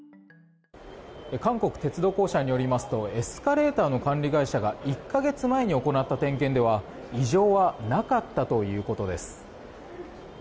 韓国鉄道公社によりますとエスカレーターの管理会社が１か月前に行った点検では異常はなかったということです。